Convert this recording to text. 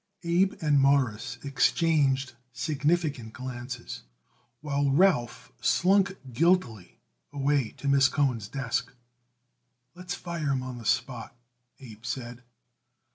Abe and Morris exchanged significant glances, while Ralph slunk guiltily away to Miss Cohen's desk. "Let's fire him on the spot," Abe said.